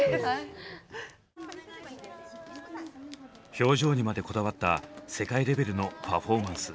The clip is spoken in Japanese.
表情にまでこだわった世界レベルのパフォーマンス。